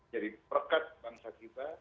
jadi perkat bangsa kita